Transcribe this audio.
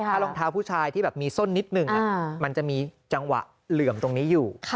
ถ้ารองเท้าผู้ชายที่แบบมีส้นนิดหนึ่งมันจะมีจังหวะเหลื่อมตรงนี้อยู่